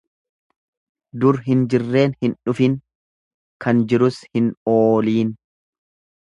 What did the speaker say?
Dur hin jirreen hin dhufin, kan jirus hin ooliin.